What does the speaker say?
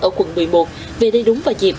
ở quận một mươi một về đây đúng vào dịp